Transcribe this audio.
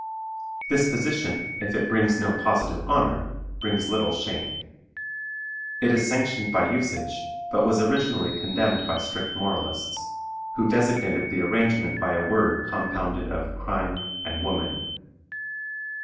This position, if it brings no positive honor, brings little shame. It is sanctioned by usage, but was originally condemned by strict moralists, who designated the arrangement by a word compounded of crime and woman.